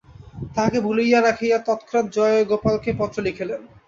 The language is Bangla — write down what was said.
তাহাকে ভুলাইয়া রাখিয়া তৎক্ষণাৎ জয়গোপালকে পত্র লিখিলেন।